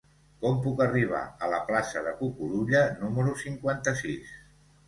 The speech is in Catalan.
Com puc arribar a la plaça de Cucurulla número cinquanta-sis?